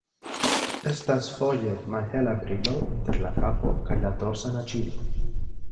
Estas foje malhela brilo inter la kapo kaj la dorsa naĝilo.